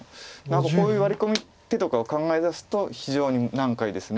何かこういうワリ込む手とかを考えだすと非常に難解です。